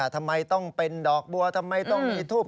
ทำไมต้องเป็นดอกบัวทำไมต้องมีทูบ